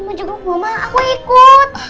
mau jaga omah aku ikut